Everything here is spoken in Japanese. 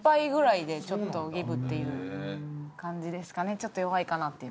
ちょっと弱いかなっていう。